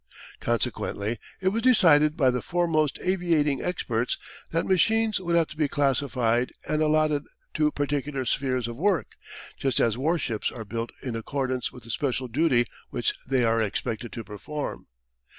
Consequently it was decided by the foremost aviating experts that machines would have to be classified and allotted to particular spheres of work, just as warships are built in accordance with the special duty which they are expected to perform.